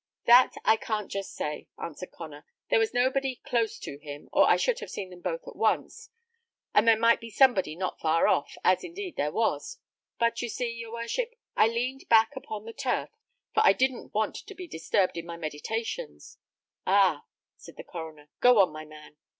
"That I can't just say," answered Connor. "There was nobody close to him, or I should have seen them both at once, and there might be somebody not far off, as indeed there was; but you see, your worship, I leaned back upon the turf, for I didn't want to be disturbed in my meditations." "Ah!" said the coroner. "Go on, my man."